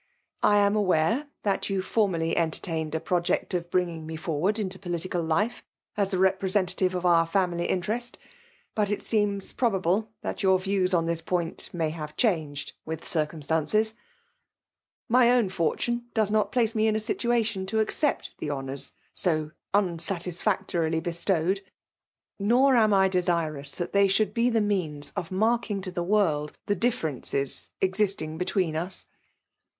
I aMt lairare that you formerly entertained a projaot of bringing me forward in polilicaL life as the f^MreaontaiivD of ow family interest ; but it aeeinii probable that your views on this pobit mny have changed with ciicumstanceai My own fortune does not place me in a situatiim (o^ «tf cept tk4 honours ao , unsatasfartoril]^ be 186 FBMALE DOMINATION. stowed; nor am I desirous that ibey riioald be the means of marking to the world the differences existing between us.